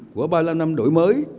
của ba mươi năm năm đổi mới